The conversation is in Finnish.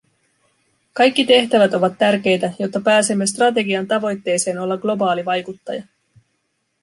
Kaikki tehtävät ovat tärkeitä, jotta pääsemme strategian tavoitteeseen olla globaali vaikuttaja.